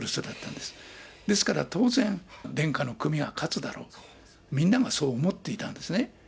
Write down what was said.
ですから、当然、殿下の組が勝つだろうと、みんながそう思っていたんですね。